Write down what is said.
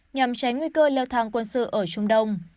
nhằm tránh nguy cơ leo thang quân sự ở trung đông